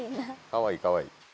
かわいいかわいい。